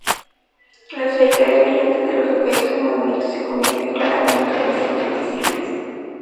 Las trayectorias brillantes de los objetos en movimiento se convierten claramente en elementos visibles.